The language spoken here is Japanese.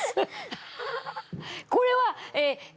これはえ